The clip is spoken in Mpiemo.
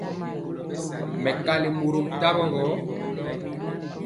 Mɛkali mɔrom tawo gɔ.